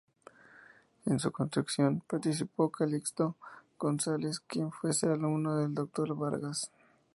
En su construcción participó Calixto González quien fuese alumno del doctor Vargas.